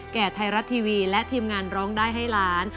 ไทยรัฐทีวีและทีมงานร้องได้ให้ล้าน